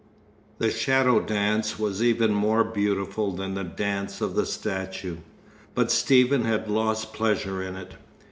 IV The Shadow Dance was even more beautiful than the Dance of the Statue, but Stephen had lost pleasure in it.